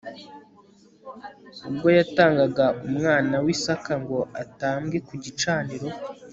ubwo yatangaga umwana we isaka ngo atambwe kugicaniro